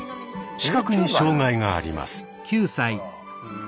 視覚に障害があります。